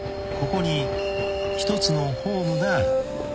［ここに一つのホームがある］